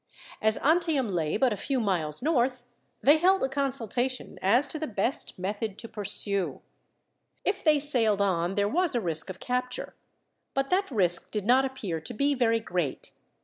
As Antium lay but a few miles north, they held a consultation as to the best method to pursue. If they sailed on there was a risk of capture; but that risk did not appear to be very great.